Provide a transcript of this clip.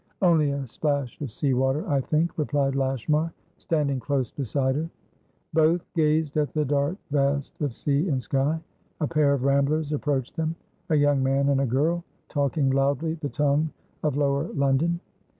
"Only a splash of sea water, I think," replied Lashmar, standing close beside her. Both gazed at the dark vast of sea and sky. A pair of ramblers approached them; a young man and a girl, talking loudly the tongue of lower London.